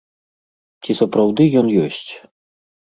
Ці сапраўды ён ёсць?